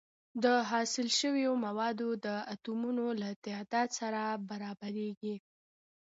د حاصل شوو موادو د اتومونو له تعداد سره برابریږي.